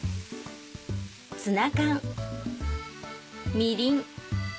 ツナ缶みりん